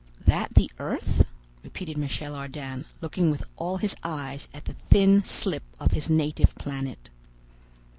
"That the earth?" repeated Michel Ardan, looking with all his eyes at the thin slip of his native planet.